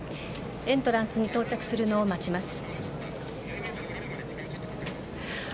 エントランスに到着するのを待ちます。